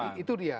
iya itu dia